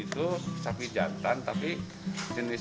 kalau bulu itu sapi jantan tapi jenis itu